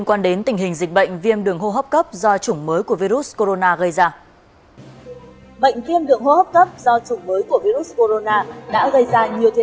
hãy đăng ký kênh để ủng hộ kênh của chúng mình nhé